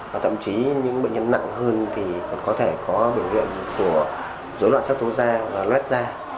và thậm chí những bệnh nhân nặng hơn thì còn có thể có biểu hiện của dối loạn sắc tố da và luết da